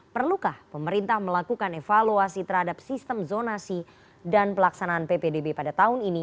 perlukah pemerintah melakukan evaluasi terhadap sistem zonasi dan pelaksanaan ppdb pada tahun ini